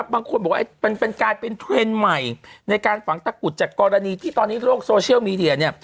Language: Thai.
บางคนบอกว่ากลายเป็นเทรนด์ใหม่ในการฝังตะกรุดจากกรณีที่ตอนนี้โลกโซเชียลมีเดีย